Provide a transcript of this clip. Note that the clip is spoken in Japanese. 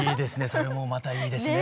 それもまたいいですね。